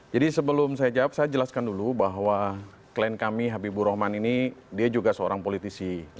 jadi sebelum saya jawab saya jelaskan dulu bahwa klien kami habibur rahman ini dia juga seorang politisi